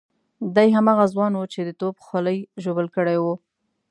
دی هماغه ځوان وو چې د توپ خولۍ ژوبل کړی وو.